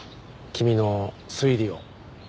君の推理を。